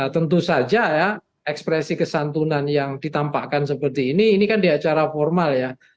tentu saja ya ekspresi kesantunan yang ditampakkan seperti ini ini kan di acara formal ya